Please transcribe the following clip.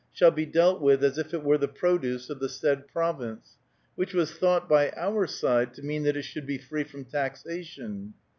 shall be dealt with as if it were the produce of the said Province," which was thought by our side to mean that it should be free from taxation.